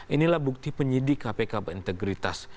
inilah bukti penyidik kpk berintegritas